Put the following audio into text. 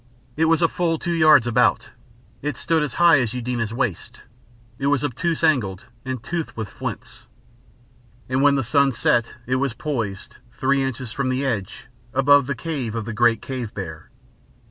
It was full two yards about, it stood as high as Eudena's waist, it was obtuse angled and toothed with flints. And when the sun set it was poised, three inches from the edge, above the cave of the great cave bear.